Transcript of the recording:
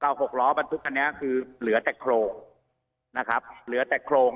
เตา๔หรอประทุกศ์อันแถมหลือจะโครงทำก็แซสถังแก๊ส